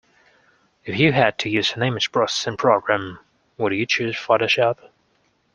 If you had to use an image processing program, would you choose Photoshop?